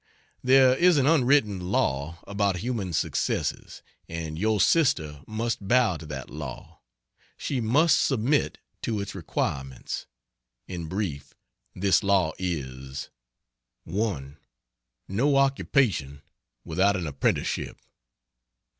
There is an unwritten law about human successes, and your sister must bow to that law, she must submit to its requirements. In brief this law is: 1. No occupation without an apprenticeship.